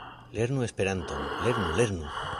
Lernu Esperanton! Lernu! Lernu!